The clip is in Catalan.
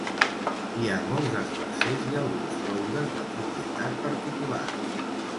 Hi ha molts esbarzers i alguns roures, de propietat particular.